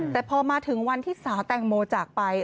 แต่พอมาถึงวันที่สาวแตงโมจากไป